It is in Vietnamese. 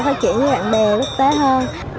phát triển với bạn bè rất tốt hơn